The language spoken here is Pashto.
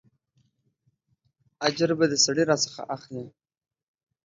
اجر به د سړي راڅخه اخلې.